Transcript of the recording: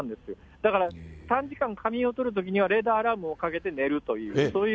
だから短時間仮眠を取るときには、レーダーアラームをかけて寝るという、そういう。